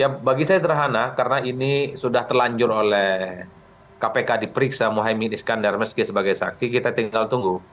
ya bagi saya terhana karena ini sudah terlanjur oleh kpk diperiksa muhaymin iskandar meski sebagai saksi kita tinggal tunggu